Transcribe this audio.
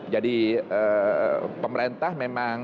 jadi pemerintah memang saat ini